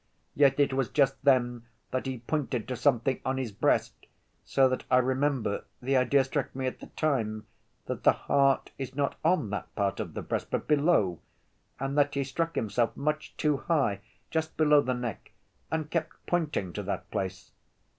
Yet it was just then that he pointed to something on his breast, so that I remember the idea struck me at the time that the heart is not on that part of the breast, but below, and that he struck himself much too high, just below the neck, and kept pointing to that place.